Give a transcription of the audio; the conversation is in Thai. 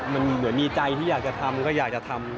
มันเหมือนมีใจที่อยากจะทำก็อยากจะทำ